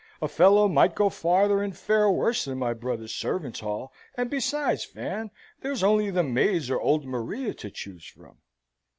A fellow might go farther and fare worse than my brother's servants' hall, and besides Fan, there's only the maids or old Maria to choose from."